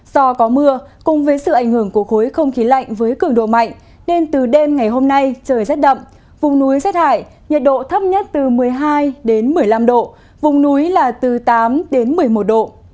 do có mưa cùng với sự ảnh hưởng của khối không khí lạnh với cường độ mạnh nên từ đêm ngày hôm nay trời rét đậm vùng núi rét hại nhiệt độ thấp nhất từ một mươi hai một mươi năm độ vùng núi là từ tám đến một mươi một độ